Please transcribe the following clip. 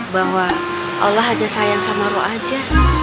bahwa allah ada sayang sama lo aja